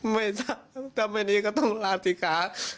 ไม่ท่านตั้งแต่นี้ก็ต้องลาทิกา